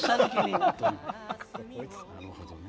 なるほどね。